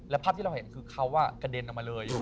ภาพที่เราเห็นคือเขากระเด็นออกมาเลย